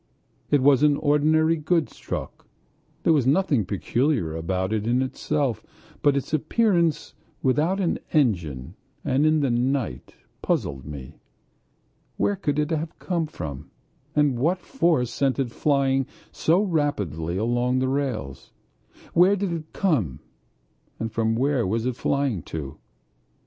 It was an ordinary goods truck. There was nothing peculiar about it in itself, but its appearance without an engine and in the night puzzled me. Where could it have come from and what force sent it flying so rapidly along the rails? Where did it come from and where was it flying to?